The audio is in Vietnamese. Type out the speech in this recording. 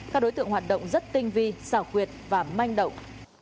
các đối tượng hoạt động rất tinh vi xảo quyệt và manh động